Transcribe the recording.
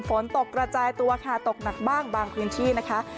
ฝนตกกระจายตัวค่ะตกหนักบ้างบางพื้นที่นะคะ